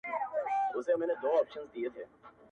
قدرت ژوند، دین او ناموس د پاچاهانو!!